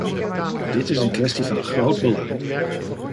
Dit is een kwestie van groot belang.